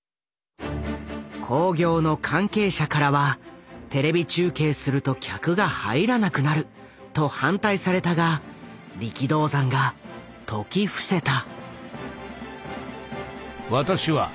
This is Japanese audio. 興行の関係者からはテレビ中継すると客が入らなくなると反対されたが力道山が説き伏せた。